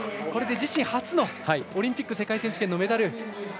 これで自身初のオリンピック世界選手権のメダル。